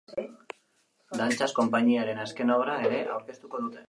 Dantzaz konpainiaren azken obra ere aurkeztuko dute.